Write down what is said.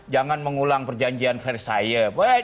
jangan mengulang perjanjian versailles